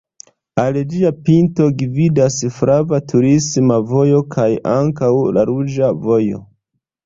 Al ĝia pinto gvidas flava turisma vojo kaj ankaŭ la ruĝa vojo.